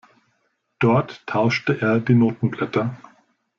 Dort tauschte er die Notenblätter.